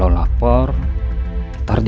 nah itu perbeda makin calon